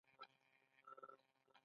دوی په ګنګا کې غسل کوي.